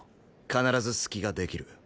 必ず隙ができる。